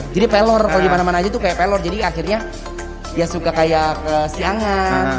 jadi pelor kalau dimana mana aja tuh kayak pelor jadi akhirnya dia suka kayak siang siang